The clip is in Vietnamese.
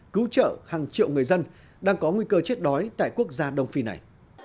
cứu trợ hàng triệu người dân đang có nguy cơ chết đói tại quốc gia đông phi này